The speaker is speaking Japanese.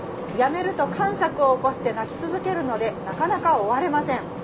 やめるとかんしゃくを起こして泣き続けるのでなかなか終われません。